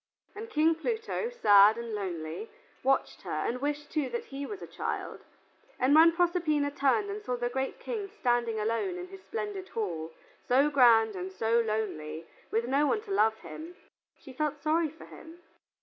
And King Pluto, sad and lonely, watched her and wished that he too was a child, and when Proserpina turned and saw the great King standing alone in his splendid hall, so grand and so lonely, with no one to love him, she felt sorry for him.